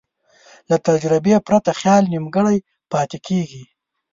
له تجربې پرته خیال نیمګړی پاتې کېږي.